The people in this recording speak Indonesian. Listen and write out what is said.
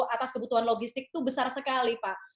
atas kebutuhan logistik itu besar sekali pak